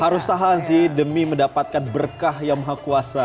harus tahan sih demi mendapatkan berkah yang maha kuasa